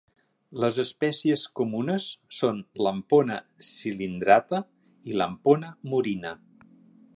Les espècies comunes són "Lampona cylindrata" i "Lampona murina".